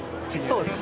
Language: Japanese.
そうです。